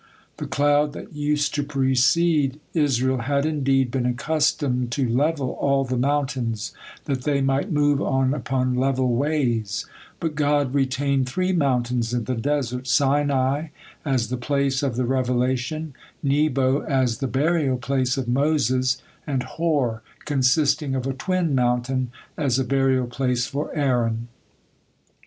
The cloud that used to precede Israel, had indeed been accustomed to level all the mountains, that they might move on upon level ways, but God retained three mountains in the desert: Sinai, as the place of the revelation; Nebo, as the burial place of Moses; and Hor, consisting of a twin mountain, as a burial place for Aaron.